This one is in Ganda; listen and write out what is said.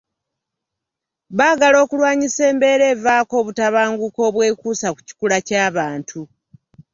Baagala okulwanyisa embeera evaako obutabanguko obwekuusa ku kikula ky’abantu.